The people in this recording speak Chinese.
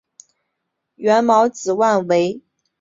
缘毛紫菀为菊科紫菀属的植物。